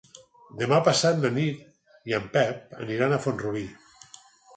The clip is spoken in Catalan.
Demà passat na Nit i en Pep aniran a Font-rubí.